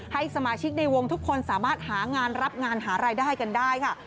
ให้สมาชิกในวงทุกคนสามารถหางานรับงานหารายได้กันได้ค่ะ